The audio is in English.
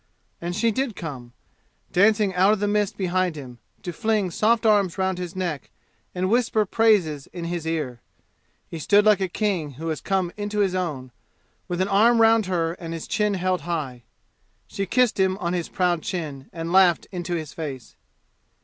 And she did come, dancing out of the mist behind him, to fling soft arms round his neck and whisper praises in his ear. He stood like a king who has come into his own, with an arm round her and his chin held high. She kissed him on his proud chin, and laughed into his face.